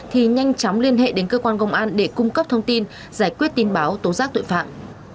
thì nhanh chóng liên hệ đến cơ quan công an để cung cấp thông tin giải quyết tin báo tố giác tội phạm